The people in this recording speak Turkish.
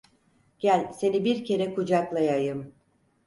Gel seni bir kere kucaklayayım.